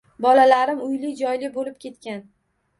Bolalarim uyli-joyli bo‘lib ketgan.